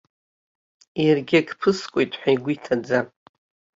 Иаргьы акы ԥыскуеит ҳәа игәы иҭаӡам.